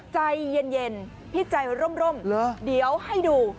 ใจเย็นพี่ใจร่มเดี๋ยวให้ดู